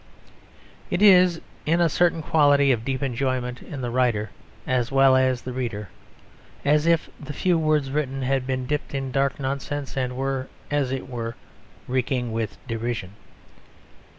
It is in a certain quality of deep enjoyment in the writer as well as the reader; as if the few words written had been dipped in dark nonsense and were, as it were, reeking with derision.